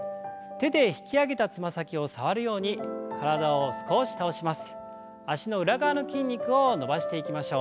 手でつま先を触るように体を少し倒します。